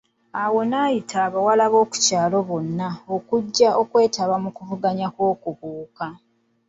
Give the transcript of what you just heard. Awo ate n'ayita abawala b'okukyalo bonna okujja okwetaba mu kuvuganya okw'okubuuka.